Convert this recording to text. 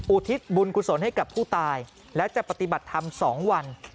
อุทิศบุญกุศลให้กับผู้ตายและจะปฏิบัติธรรม๒วัน